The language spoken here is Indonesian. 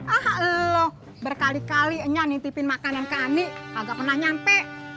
ah elo berkali kali nya nitipin makanan kami kagak pernah nyampe